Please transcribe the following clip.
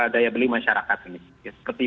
daya beli masyarakat ini seperti